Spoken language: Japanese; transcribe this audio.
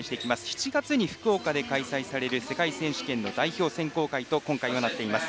７月に福岡で開催される世界選手権の代表選考会と今回はなっています。